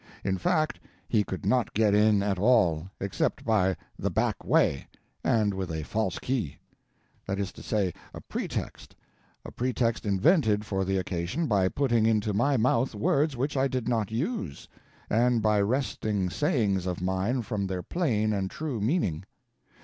In fact he could not get in at all, except by the back way, and with a false key; that is to say, a pretext a pretext invented for the occasion by putting into my mouth words which I did not use, and by wresting sayings of mine from their plain and true meaning.